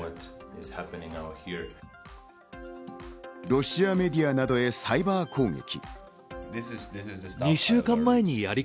ロシアメディアなどへサイバー攻撃。